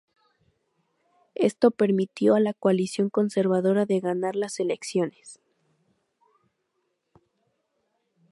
Esto permitió a la coalición conservadora de ganar las elecciones.